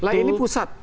nah ini pusat